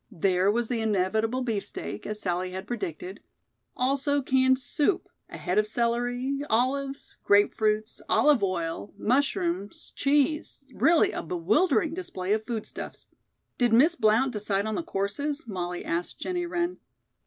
There was the inevitable beefsteak, as Sallie had predicted; also canned soup; a head of celery, olives, grape fruits, olive oil, mushrooms, cheese really, a bewildering display of food stuffs. "Did Miss Blount decide on the courses?" Molly asked Jennie Wren.